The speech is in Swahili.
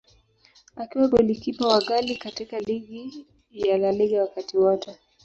Akiwa golikipa wa ghali katika ligi ya La Liga wakati wote.